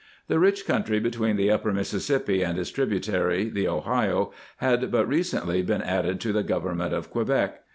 The rich country between the upper Mississippi and its tributary the Ohio had but recently been added to the Government of Quebec.